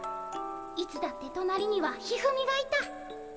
いつだってとなりには一二三がいた。